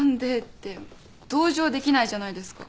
同情できないじゃないですか